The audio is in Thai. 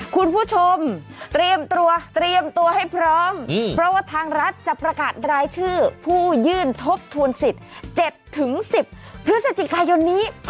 คุณผู้ชมเตรียมตัวเตรียมตัวให้พร้อมเพราะว่าทางรัฐจะประกาศรายชื่อผู้ยื่นทบทวนสิทธิ์๗๑๐พฤศจิกายนนี้